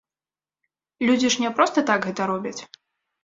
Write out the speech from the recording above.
Людзі ж не проста так гэта робяць.